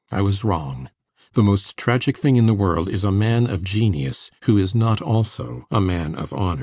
I was wrong. The most tragic thing in the world is a man of genius who is not also a man of honor.